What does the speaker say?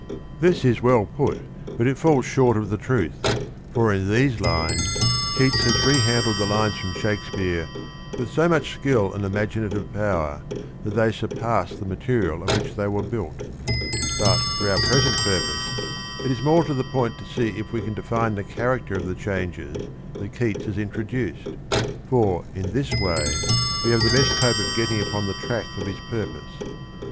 This is well put, but it falls short of the truth, for in these lines Keats has rehandled the lines from Shakespeare with so much skill and imaginative power that they sur pass the material of which they were built. But for our present purpose it is more to the point to see if w^e can define the character of the changes that Keats has introduced, for in this way we have the best hope of get ting upon the track of his purpose.